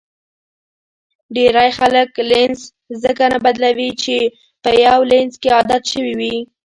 ډېری خلک لینز ځکه نه بدلوي چې په یو لینز کې عادت شوي وي.